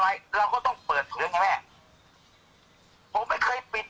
แม่ยังคงมั่นใจและก็มีความหวังในการทำงานของเจ้าหน้าที่ตำรวจค่ะ